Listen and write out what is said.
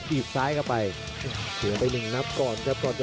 ตี่บซ้ายกลับไป